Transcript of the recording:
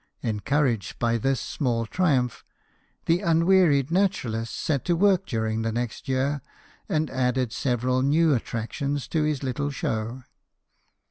Encouraged by this small triumph, the unwearied naturalist set to work during the next year, and added several new attractions to his little show.